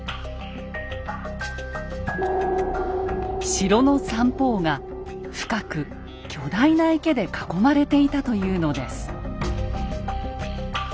城の三方が深く巨大な池で囲まれていたというのです。